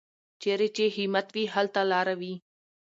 چېرې چې همت وي، هلته لاره وي.